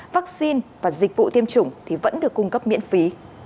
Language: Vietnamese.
vaccine và dịch vụ tiêm chủng vẫn được cung cấp miễn phí